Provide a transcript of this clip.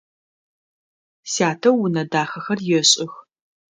Сятэ унэ дахэхэр ешӏых.